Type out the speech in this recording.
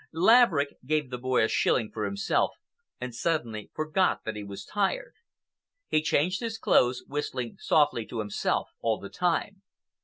Laverick gave the boy a shilling for himself and suddenly forgot that he was tired. He changed his clothes, whistling softly to himself all the time.